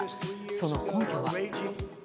その根拠は。